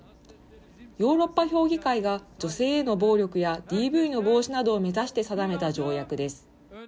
ヨーロッパ評議会が女性への暴力やＤＶの防止などを目指して定めた条約です。